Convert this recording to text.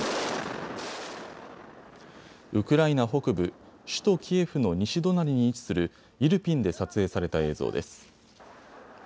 ウクライナ北部、首都キエフの西隣に位置するイルピンで撮影された映像です。